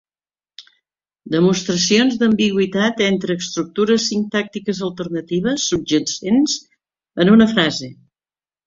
Demostracions d'ambigüitat entre estructures sintàctiques alternatives subjacents en una frase.